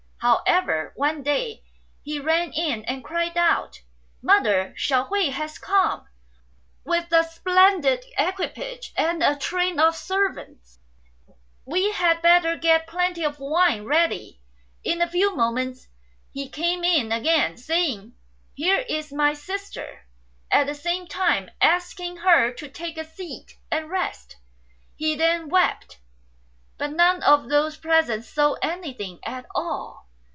However, one day he ran in and cried out, " Mother, Hsiao hui has come, with a splendid equipage and a train of servants; we had better get plenty of wine ready." In a few moments he came in again, saying, " Here is my sister," at the same time asking her to take a seat and rest. He then wept; but none of those present saw anything at all.